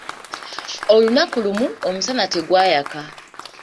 Olunaku lumu, omusana tegwayaka.